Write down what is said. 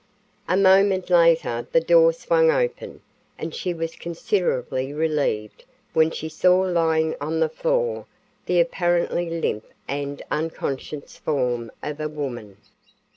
A moment later the door swung open, and she was considerably relieved when she saw lying on the floor the apparently limp and unconscious form of a woman.